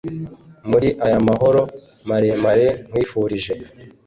Muri aya mahoro maremare nkwifurije